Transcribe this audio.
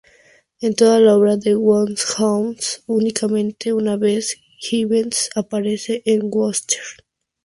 En toda la obra de Wodehouse únicamente una vez Jeeves aparece sin Wooster.